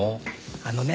あのね